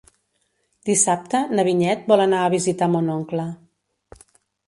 Dissabte na Vinyet vol anar a visitar mon oncle.